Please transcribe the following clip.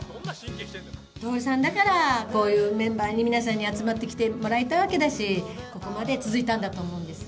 徹さんだから、こういうメンバーに、皆さんに集まってきてもらえたわけだし、ここまで続いたんだと思うんですよ。